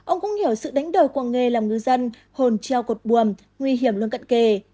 ông cũng hiểu sự đánh đời của nghề làm ngư dân hồn treo cột bùm nguy hiểm luôn cận kề